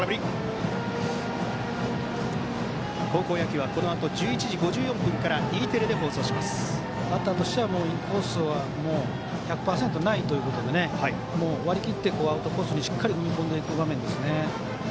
高校野球はこのあと１１時５４分からバッターとしてはインコースは１００％ないということで割り切って、アウトコースにしっかり踏み込んでいる場面です。